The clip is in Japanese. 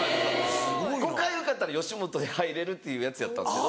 ５回受かったら吉本に入れるっていうやつやったんですけど。